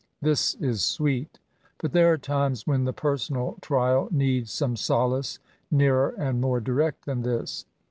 This i9 sweet; but there are times when the personal trial needs some solace nearer ai^d more direct thai^ this.